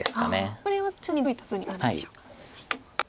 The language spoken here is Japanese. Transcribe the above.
これはちなみにどういった図になるんでしょうか。